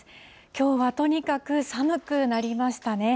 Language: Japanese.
きょうはとにかく寒くなりましたね。